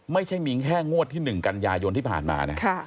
ไม่ใช่มีแค่งวดที่๑กันยายนที่ผ่านมานะ